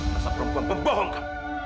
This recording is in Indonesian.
masa perempuan pembohongkan